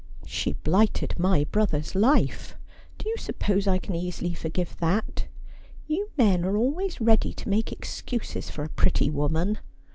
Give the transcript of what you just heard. ' She blighted my brother's life. Do you suppose I can easily forgive that ? You men are always ready to make ex cuses for a pretty woman.